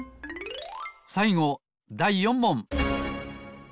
さいごだい４もん。